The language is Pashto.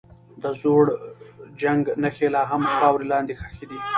د زوړ جنګ نښې لا هم خاورو لاندې ښخي دي.